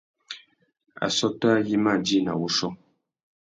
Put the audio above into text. Assôtô ayê i mà djï nà wuchiô.